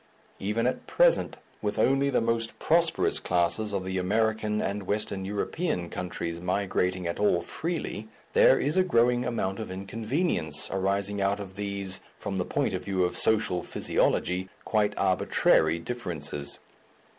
Even at present, with only the most prosperous classes of the American and Western European countries migrating at all freely, there is a growing amount of inconvenience arising out of these from the point of view of social physiology quite arbitrary differences.